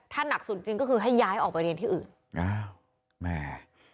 ถ้าหนักสุดจริงก็คือให้ย้ายออกไปเรียนที่อื่นอ้าวแม่